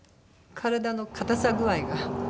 体の硬さ具合がなんか。